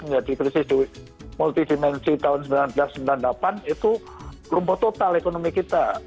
menjadi krisis multidimensi tahun seribu sembilan ratus sembilan puluh delapan itu rumput total ekonomi kita